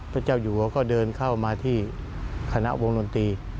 พระเจ้าหยุวะก็เดินเข้ามาที่คณะวงดนตรี